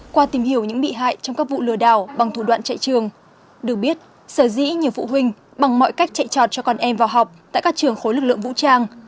qua tìm hiểu những bị hại trong các vụ lừa đảo bằng thủ đoạn chạy trường được biết sở dĩ nhiều phụ huynh bằng mọi cách chạy trọt cho con em vào học tại các trường khối lực lượng vũ trang